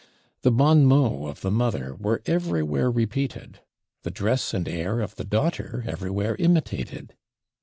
The bon mots of the mother were everywhere repeated; the dress and air of the daughter everywhere imitated.